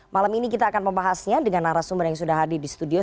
malam ini kita akan membahasnya dengan arah sumber yang sudah hadir di studio